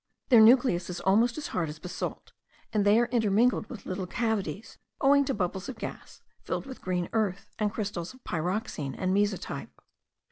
Their nucleus is almost as hard as basalt, and they are intermingled with little cavities, owing to bubbles of gas, filled with green earth, and crystals of pyroxene and mesotype.